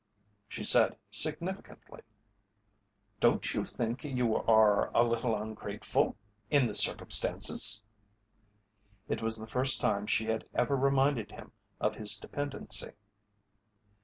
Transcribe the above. She said significantly: "Don't you think you are a little ungrateful in the circumstances?" It was the first time she had ever reminded him of his dependency.